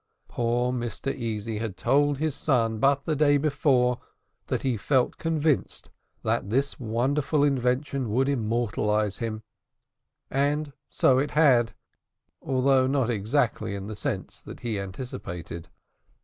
Poor Mr Easy had told his son but the day before that he felt convinced that this wonderful invention would immortalise him, and so it had, although not exactly in the sense that he anticipated.